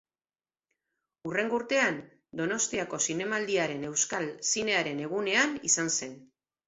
Hurrengo urtean, Donostiako Zinemaldiaren Euskal Zinearen Egunean izan zen.